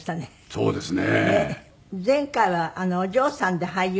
そうですね。